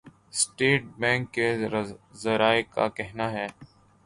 state Bank کے ذرائع کا کہناہے